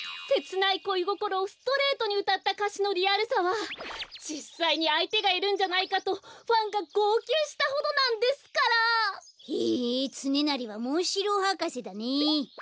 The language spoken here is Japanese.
せつないこいごころをストレートにうたったかしのリアルさはじっさいにあいてがいるんじゃないかとファンがごうきゅうしたほどなんですから！へえつねなりはモンシローはかせだね。